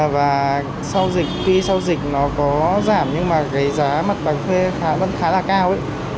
và khi sau dịch nó có giảm nhưng mà giá mặt bằng thuê vẫn khá là cao